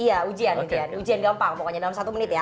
iya ujian ujian ujian gampang pokoknya dalam satu menit ya